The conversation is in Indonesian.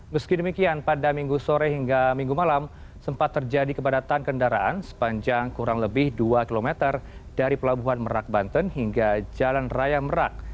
meski demikian pada minggu sore hingga minggu malam sempat terjadi kepadatan kendaraan sepanjang kurang lebih dua km dari pelabuhan merak banten hingga jalan raya merak